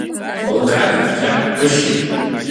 Лкаиф бжьаҳхгәышьеит.